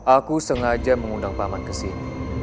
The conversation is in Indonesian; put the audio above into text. aku sengaja mengundang paman ke sini